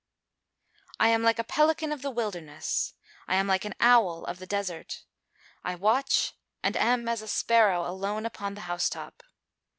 _ [Verse: "I am like a pelican of the wilderness: I am like an owl of the desert. I watch, and am as a sparrow alone upon the house top."